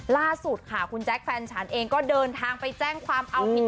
ล่าสุดค่ะคุณแจ๊คแฟนฉันเองก็เดินทางไปแจ้งความเอาผิด